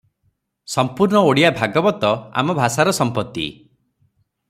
ସମ୍ପୂର୍ଣ୍ଣ ଓଡ଼ିଆ ଭାଗବତ ଆମ ଭାଷାର ସମ୍ପତ୍ତି ।